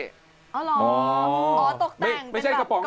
อ๋อโต๊ะแจ่ง